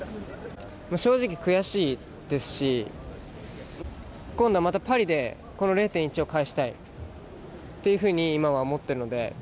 正直悔しいですし今度はまたパリで、この０．１を返したいというふうに今は思っているので。